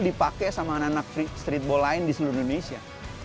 dipakai sama anak anak streetball lain di seluruh indonesia